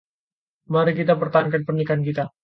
Mari kita pertahankan pernikahan kita.